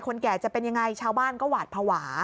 แก่จะเป็นยังไงชาวบ้านก็หวาดภาวะ